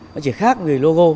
nó chỉ khác về logo